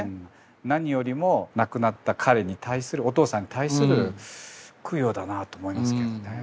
何よりも亡くなった彼に対するお父さんに対する供養だなと思いますけどね。